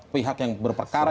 pihak yang berperkara